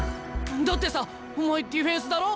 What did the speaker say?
だってさお前ディフェンスだろ？